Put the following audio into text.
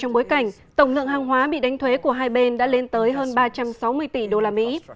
trong bối cảnh tổng lượng hàng hóa bị đánh thuế của hai bên đã lên tới hơn ba trăm sáu mươi tỷ đô la mỹ